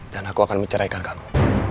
dan aku akan menceraikan kamu